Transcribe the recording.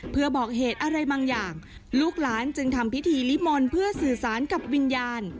เพื่อบอกเหตุอะไรบางอย่างลูกหลานจึงทำพิธีลิมนต์เพื่อสื่อสารกับวิญญาณ